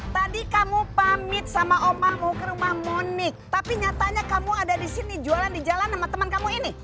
tadi kamu pamit sama omamu ke rumah monik tapi nyatanya kamu ada disini jualan di jalan sama teman kamu ini